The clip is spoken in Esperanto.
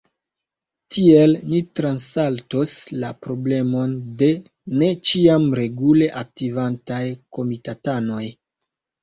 Tiel ni transsaltos la problemon de ne ĉiam regule aktivantaj komitatanoj.